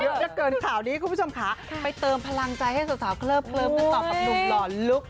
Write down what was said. ก็เกินข่าวนี้คุณผู้ชมขาไปเติมพลังใจให้สาวเคลิบกับนุ่มหล่อลุ๊ก